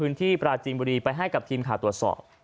ปราจีนบุรีไปให้กับทีมข่าวตรวจสอบ